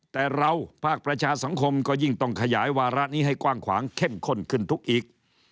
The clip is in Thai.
แต่เราภาคประชาสังคมก็ยิ่งต้องขยายวาระนี้ให้กว้างขวางเข้มข้นขึ้นทุกอีก